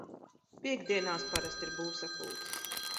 Piektdienās parasti ir būvsapulces.